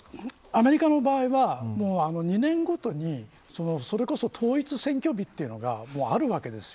アメリカの場合は２年ごとに統一選挙日というのがあるわけです。